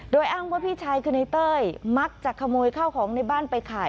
โดยอ้างว่าพี่ชายคือในเต้ยมักจะขโมยข้าวของในบ้านไปขาย